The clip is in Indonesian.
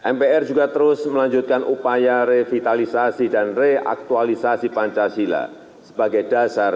mpr juga terus melanjutkan upaya revitalisasi dan reaktualisasi pancasila sebagai dasar